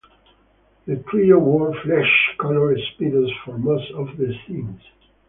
The trio wore flesh-colored Speedos for most of the scenes.